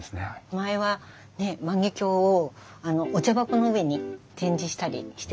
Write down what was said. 前は万華鏡をお茶箱の上に展示したりしてたんですね。